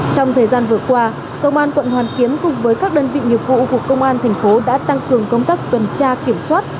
trong thời gian vừa qua công an quận hoàn kiếm cùng với các đơn vị nghiệp vụ của công an thành phố đã tăng cường công tác tuần tra kiểm soát